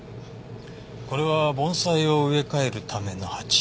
これは盆栽を植え替えるための鉢。